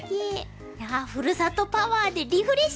いやふるさとパワーでリフレッシュ！